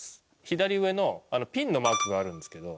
左上のピンのマークがあるんですけど。